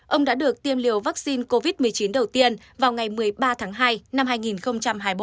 ông đã được tiêm liều vaccine covid một mươi chín đầu tiên vào ngày một mươi ba tháng hai năm hai nghìn hai mươi một